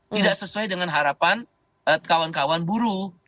tidak sesuai dengan harapan kawan kawan buruh